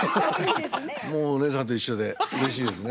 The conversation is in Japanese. もうおねえさんと一緒でうれしいですね。